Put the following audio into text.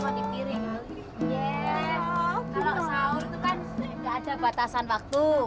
kalau sahur itu kan gak ada batasan waktu